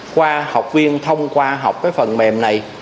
qua học viên thông qua học cái phần mềm này